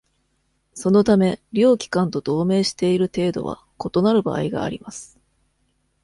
その為、両機関と同盟している程度は異なる場合があります。